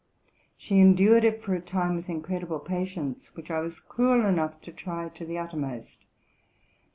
She endured it for a time with incredible patience, which I was cruel enough to try to the uttermost.